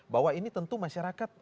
bahwa ini tentu masyarakat